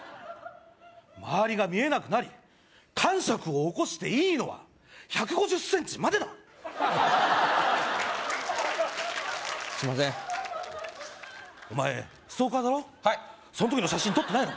まわりが見えなくなりかんしゃくを起こしていいのは１５０センチまでだすいませんお前ストーカーだろはいその時の写真撮ってないの？